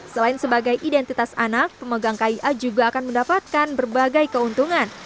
selain sebagai identitas anak pemegang kia juga akan mendapatkan berbagai keuntungan